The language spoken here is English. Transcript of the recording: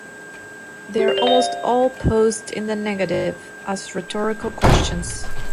They are almost all posed in the negative, as rhetorical questions.